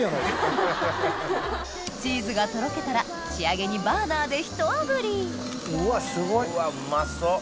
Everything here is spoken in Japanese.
チーズがとろけたら仕上げにバーナーでひとあぶりうわっうまそう！